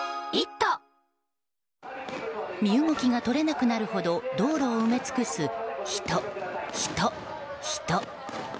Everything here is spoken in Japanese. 身動きが取れなくなるほど道路を埋め尽くす人、人、人。